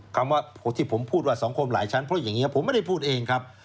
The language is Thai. คำว่าที่ผมพูดว่าสังคมหลายชั้นเพราะอย่างนี้ผมไม่ได้พูดเองครับ